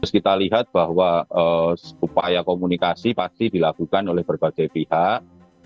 kita lihat bahwa upaya komunikasi pasti dilakukan oleh berbagai pihak